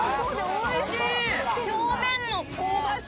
おいしい。